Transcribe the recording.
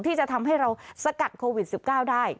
ที่จะทำให้เราสกัดโควิด๑๙ได้